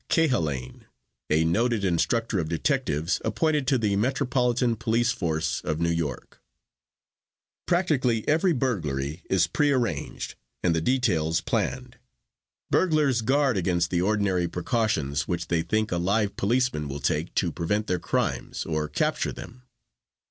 Cahalane, a noted instructor of detectives, appointed to the metropolitan police force of New York: "Practically every burglary is prearranged and the details planned. Burglars guard against the ordinary precautions which they think a live policeman will take to prevent their crimes or to capture them.